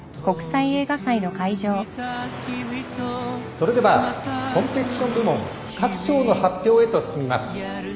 それではコンペティション部門各賞の発表へと進みます。